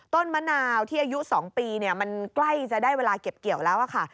มะนาวที่อายุ๒ปีมันใกล้จะได้เวลาเก็บเกี่ยวแล้วค่ะ